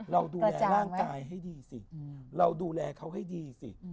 เราดูแลร่างกายให้ดีสิเราดูแลเขาให้ดีสิ